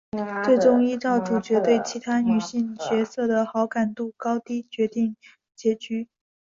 最终依照主角对其他女性角色的好感度高低决定结局。